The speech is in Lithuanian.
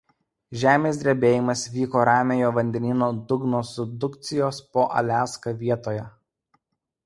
Žemės drebėjimas vyko Ramiojo vandenyno dugno subdukcijos po Aliaska vietoje.